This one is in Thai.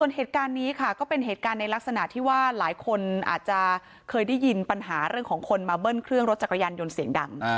ส่วนเหตุการณ์นี้ค่ะก็เป็นเหตุการณ์ในลักษณะที่ว่าหลายคนอาจจะเคยได้ยินปัญหาเรื่องของคนมาเบิ้ลเครื่องรถจักรยานยนต์เสียงดัง